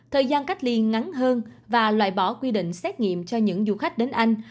thời gian cách ly ngắn hơn và loại bỏ quy định xét nghiệm cho những du khách đến anh